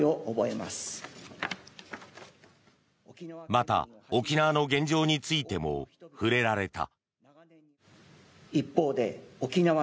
また、沖縄の現状についても触れられた。